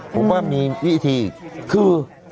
ผมว่ามีวิธีคือ